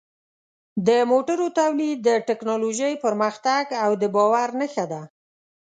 د موټرو تولید د ټکنالوژۍ پرمختګ او د باور نښه ده.